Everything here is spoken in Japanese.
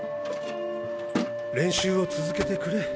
練習を続けてくれ。